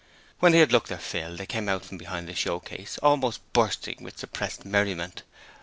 When they had looked their fill they came out from behind the showcase, almost bursting with suppressed merriment.